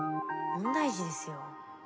問題児ですよ。